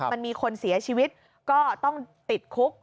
มันมีคนเสียชีวิตก็ต้องติดคุก